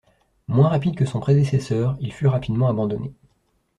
Moins rapide que son prédécesseur il fut rapidement abandonné.